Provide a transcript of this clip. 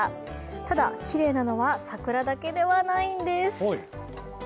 ただ、きれいなのは桜だけではないんです。